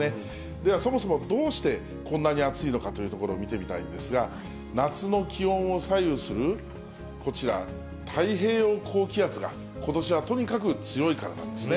ではそもそも、どうしてこんなに暑いのかというところを見てみたいんですが、夏の気温を左右するこちら、太平洋高気圧がことしはとにかく強いからなんですね。